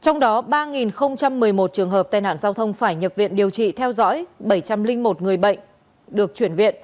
trong đó ba một mươi một trường hợp tai nạn giao thông phải nhập viện điều trị theo dõi bảy trăm linh một người bệnh được chuyển viện